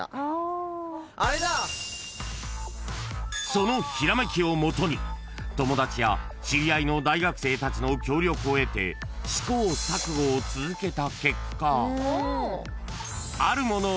［そのひらめきをもとに友達や知り合いの大学生たちの協力を得て試行錯誤を続けた結果］